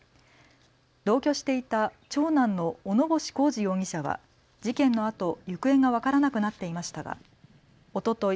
同居していた長男の小野星浩志容疑者は事件のあと行方が分からなくなっていましたがおととい